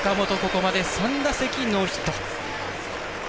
ここまで３打席ノーヒット。